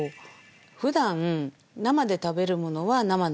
普段生で食べるものは生のまま。